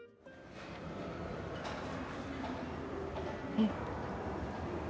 うん。